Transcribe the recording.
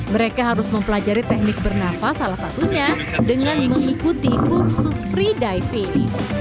mereka harus mempelajari teknik bernafas salah satunya dengan mengikuti kursus free diving